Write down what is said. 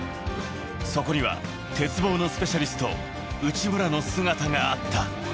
そこには鉄棒のスペシャリスト、内村の姿があった。